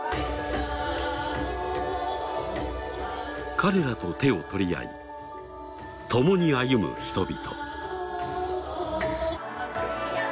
彼らと手を取り合い共に歩む人々。